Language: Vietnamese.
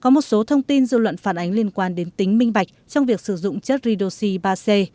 có một số thông tin dư luận phản ánh liên quan đến tính minh bạch trong việc sử dụng chất ridosy ba c